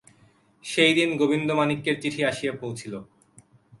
সেইদিন গোবিন্দমাণিক্যের চিঠি আসিয়া পৌঁছিল।